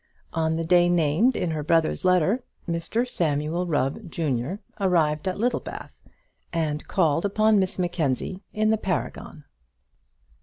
On the day named in her brother's letter, Mr Samuel Rubb, junior, arrived at Littlebath, and called upon Miss Mackenzie in the Paragon.